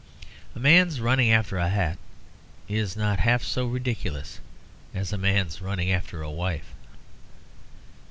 A man running after a hat is not half so ridiculous as a man running after a wife.